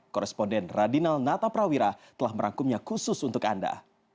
koresponden radinal nata prawira telah merangkumnya khusus untuk anda